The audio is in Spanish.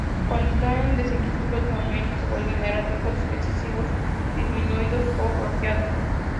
Cuando está en desequilibrio, los movimientos se vuelven erráticos, excesivos, disminuidos o bloqueados.